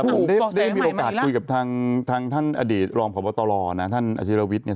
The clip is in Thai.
แต่ผมได้มีโอกาสคุยกับทางท่านอดีตรองพบตรท่านอาชิลวิทย์